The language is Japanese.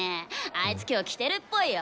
あいつ今日来てるっぽいよ。